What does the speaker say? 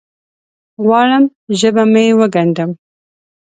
غواړم ژبه مې وګنډم